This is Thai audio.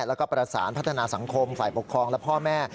แล้วก็ประสานพัฒนาสังคมฝ่ายปกครองและพ่อแม่